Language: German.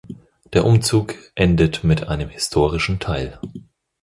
Der Umzug endet mit einem historischen Teil.